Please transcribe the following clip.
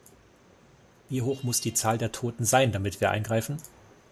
Wie hoch muss die Zahl der Toten sein, damit wir eingreifen?